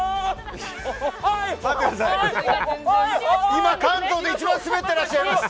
今、関東で一番スベってらっしゃいます。